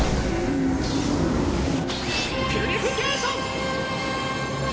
ピュリフィケイション！